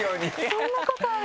そんなことある？